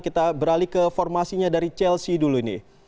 kita beralih ke formasinya dari chelsea dulu ini